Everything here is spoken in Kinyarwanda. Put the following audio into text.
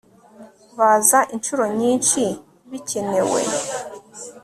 Baza inshuro nyinshi bikenewe